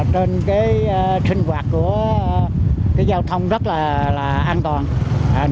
trên cái sinh hoạt của cái giao thông rất là an toàn